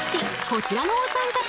こちらのお三方。